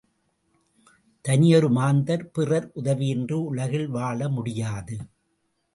தனியொரு மாந்தர் பிறர் உதவியின்றி உலகில் வாழ முடியாது.